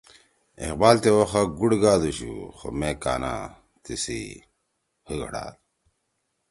اقبال تے وخا گُوڑ گادُوشُو خو مے کانا دے تیِسی حی گھڑُو